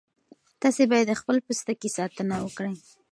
تاسي باید د خپل پوستکي ساتنه وکړئ.